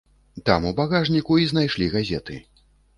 Там у багажніку і знайшлі газеты.